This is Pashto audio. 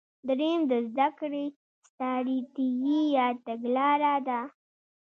دریم د زده کړې ستراتیژي یا تګلاره ده.